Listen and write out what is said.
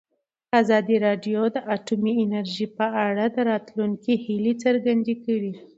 ازادي راډیو د اټومي انرژي په اړه د راتلونکي هیلې څرګندې کړې.